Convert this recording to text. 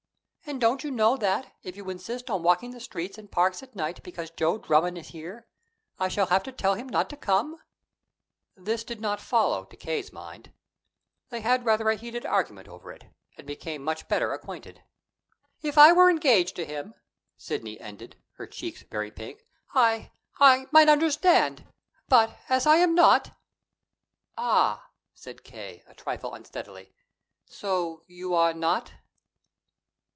And don't you know that, if you insist on walking the streets and parks at night because Joe Drummond is here, I shall have to tell him not to come?" This did not follow, to K.'s mind. They had rather a heated argument over it, and became much better acquainted. "If I were engaged to him," Sidney ended, her cheeks very pink, "I I might understand. But, as I am not " "Ah!" said K., a trifle unsteadily. "So you are not?"